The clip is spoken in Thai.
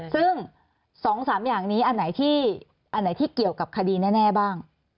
ซึ่ง๒๓อย่างนี้อันไหนที่เกี่ยวกับคดีแน่บ้าง